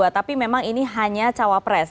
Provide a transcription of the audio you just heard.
tapi memang ini hanya cawapres